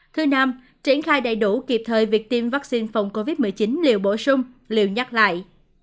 thứ năm triển khai đầy đủ kịp thời việc tiêm vaccine phòng covid một mươi chín liều bổ sung liều nhắc lại